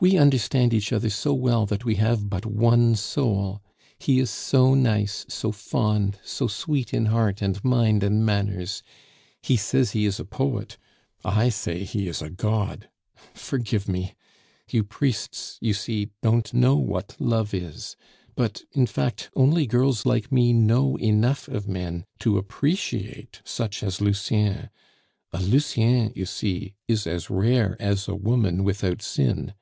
We understand each other so well that we have but one soul! He is so nice, so fond, so sweet in heart and mind and manners! He says he is a poet; I say he is god. Forgive me! You priests, you see, don't know what love is. But, in fact, only girls like me know enough of men to appreciate such as Lucien. A Lucien, you see, is as rare as a woman without sin.